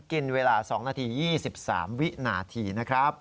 กินเวลา๒นาที๒๓วินาทีนะครับ